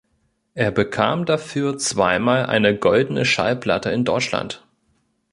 Er bekam dafür zweimal eine Goldene Schallplatte in Deutschland.